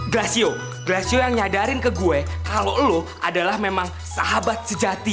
gracio gracio yang nyadarin ke gue kalau lo adalah memang sahabat sejati